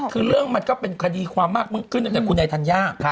คือเรื่องมันก็เป็นคดีความมากมึงขึ้นจากคุณไยทันย่า